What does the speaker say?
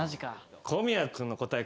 小宮君の答え